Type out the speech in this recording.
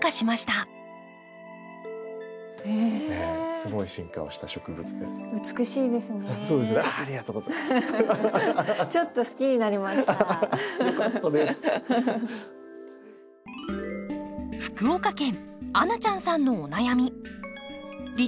福岡県あなちゃんさんのお悩み。